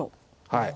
はい。